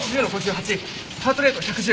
ハートレート１１０。